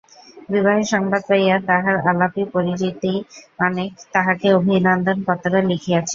বিবাহের সংবাদ পাইয়া তাহার আলাপী পরিচিত অনেকে তাহাকে অভিনন্দন-পত্র লিখিয়াছে।